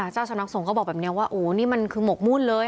เจ้าชนักศพก็บอกแบบนี้ว่าโดยนี่มันคือหมวกมูลเลย